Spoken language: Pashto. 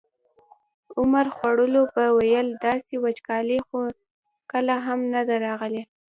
عمر خوړلو به ویل داسې وچکالي خو کله هم نه ده راغلې.